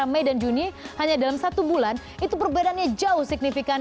mei dan juni hanya dalam satu bulan itu perbedaannya jauh signifikan